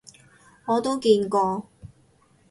我都見過